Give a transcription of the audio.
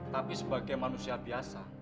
tapi sebagai manusia biasa